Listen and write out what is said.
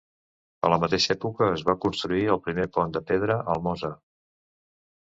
A la mateixa època es va construir el primer pont de pedra al Mosa.